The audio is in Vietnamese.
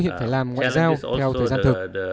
ngoại giao theo thời gian thực